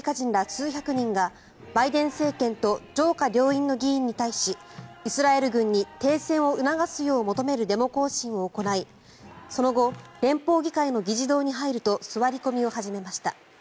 数百人がバイデン政権と上下両院の議員に対しイスラエル軍に停戦を促すよう求めるデモ行進を行いその後連邦議会の議事堂に入ると座り込みを始めました。